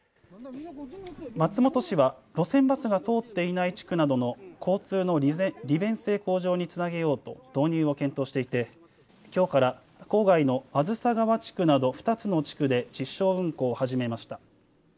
松本市は路線バスが通っていない地区などの交通の利便性向上につなげようと導入を検討していてきょうから郊外の梓川地区など２つの地区で実証運行を始めました。